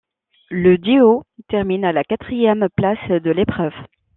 Le duo termine à la quatrième place de l'épreuve.